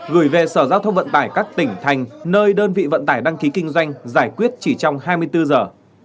gửi về sở giao thông vận tải các tỉnh thành nơi đơn vị vận tải đăng ký kinh doanh giải quyết chỉ trong hai mươi bốn giờ